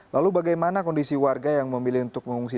lalu bagaimana kondisi warga yang memilih untuk mengungsi